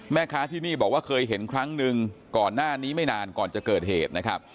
แม่ค้าที่นี่บอกว่าเคยเห็นครั้งหนึ่งก่อนหน้านี้ไม่นานก่อนจะเกิดเหตุนะครับ